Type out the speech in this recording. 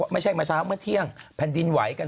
ไม่ใช่มาเช้าเมื่อเที่ยงแผ่นดินไหวกัน